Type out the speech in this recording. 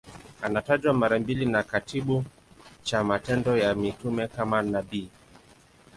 Anatajwa mara mbili na kitabu cha Matendo ya Mitume kama nabii.